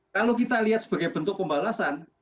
kalau kita lihat sebagai bentuk pembalasan